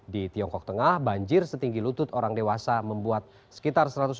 di tiongkok tengah banjir setinggi lutut orang dewasa membuat sekitar satu ratus lima puluh